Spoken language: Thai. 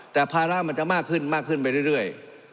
แต่ภาระมันจะมากขึ้นมากขึ้นไปเรื่อย